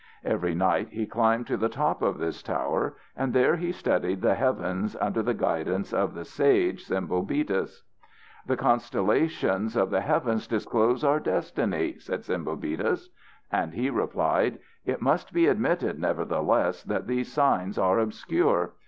Every night he climbed to the top of this tower and there he studied the heavens under the guidance of the sage Sembobitis. "The constellations of the heavens disclose our destiny," said Sembobitis. And he replied: "It must be admitted nevertheless that these signs are obscure.